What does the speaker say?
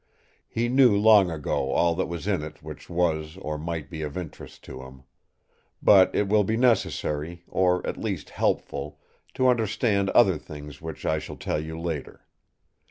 He knew long ago all that was in it which was or might be of interest to him. But it will be necessary, or at least helpful, to understand other things which I shall tell you later.